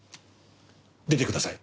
出てください。